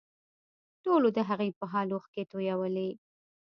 ټولو د هغې په حال اوښکې تویولې